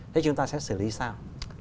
thì chúng ta sẽ xử lý sao